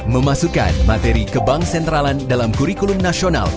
memasukkan materi kebang sentralan dalam kurikulum nasional